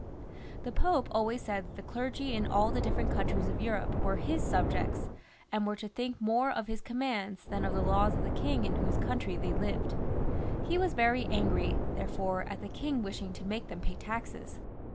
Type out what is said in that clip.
The Pope always said that the clergy in all the different countries of Europe were his subjects, and were to think more of his commands than of the laws of the king in whose country they lived. He was very angry, therefore, at the king wishing to make them pay taxes.